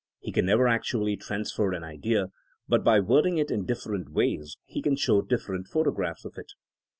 He can never actually transfer an idea, but by wording it in different ways he can show different photographs of it.